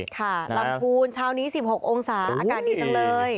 ลำพูนเช้านี้๑๖องศาอากาศดีจังเลย